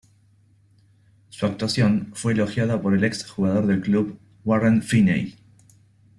Su actuación fue elogiada por el ex-jugador del club, Warren Feeney.